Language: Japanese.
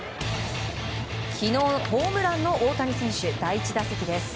昨日ホームランの大谷選手第１打席です。